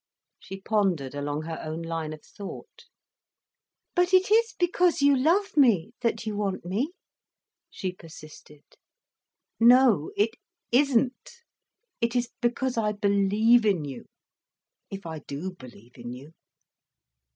She pondered along her own line of thought. "But it is because you love me, that you want me?" she persisted. "No it isn't. It is because I believe in you—if I do believe in you."